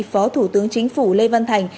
phó thủ tướng chính phủ lê văn thành